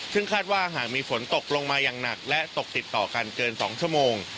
ซึ่งคาดว่าหากมีฝนตกลงมาอย่างหนักและตกติดต่อกันเกิน๒ชั่วโมง